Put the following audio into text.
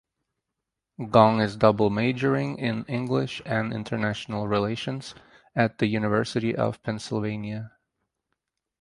Gong is double majoring in English and international relations at the University of Pennsylvania.